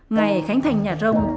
ngày khánh thành nhà rông